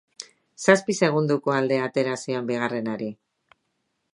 Zazpi segundoko aldea atera zion bigarrenari.